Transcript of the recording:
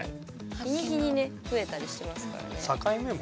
日に日にね増えたりしますからね。